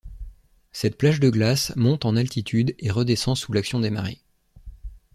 Cette plage de glace monte en altitude et redescend sous l’action des marées.